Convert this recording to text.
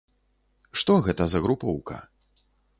Што гэта за групоўка?